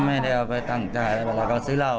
ไม่ได้เอาไปตั้งใจเพราะเขาซื้อเหล้า